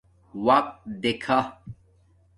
وقت دیکھا